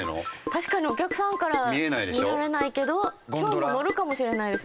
確かにお客さんから見られないけど今日も乗るかもしれないです